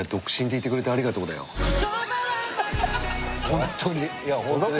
ホントに。